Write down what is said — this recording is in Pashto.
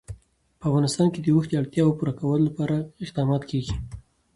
په افغانستان کې د اوښ د اړتیاوو پوره کولو لپاره اقدامات کېږي.